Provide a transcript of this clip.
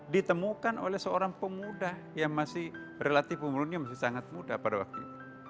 ditemukan oleh seorang pemuda yang masih relatif umurnya masih sangat muda pada waktu itu